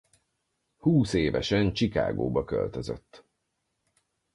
Húsz évesen Chicagoba költözött.